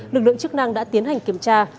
lực lượng chức năng đã tiến hành kiểm tra